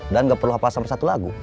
dan gak perlu apa apa sama satu lagu